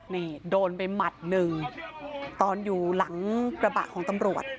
นี่โดนไปหมัดหนึ่งตอนอยู่หลังกระบะของตำรวจ